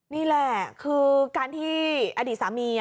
นี่แหละคือการที่อดีตสามี